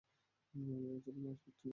আমি ভেবেছিলাম, আজ মৃত্যু নিশ্চিত, আমির।